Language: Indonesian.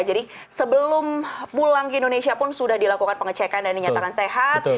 jadi sebelum pulang ke indonesia pun sudah dilakukan pengecekan dan dinyatakan sehat